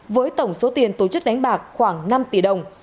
với tổng số tiền tổ chức đánh bạc khoảng năm tỷ đồng